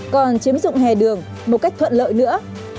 còn chiếm dụng hè đường một cách thuận lợi nữa